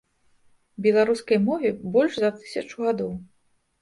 Беларускай мове больш за тысячу гадоў.